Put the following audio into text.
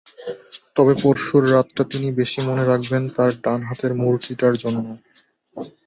তবে পরশুর রাতটা তিনি বেশি মনে রাখবেন ডান হাতের মূর্তিটার জন্যই।